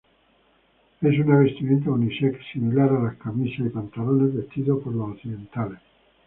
Es una vestimenta unisex similar a las camisas y pantalones vestidos por los occidentales.